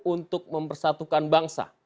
untuk mempersatukan bangsa